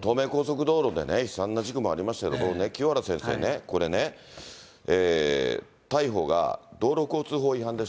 東名高速道路でね、悲惨な事故もありましたけど、清原先生ね、これね、逮捕が道路交通法違反でしょ。